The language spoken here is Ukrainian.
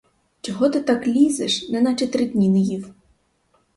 Чого ти так лізеш, неначе три дні не їв?